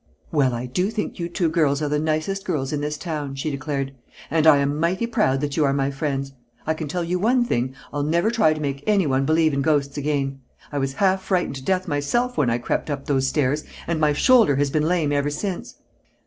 "Well, I do think you two girls are the nicest girls in this town," she declared, "and I am mighty proud that you are my friends. I can tell you one thing: I'll never try to make anyone believe in ghosts again. I was half frightened to death myself when I crept up those stairs, and my shoulder has been lame ever since."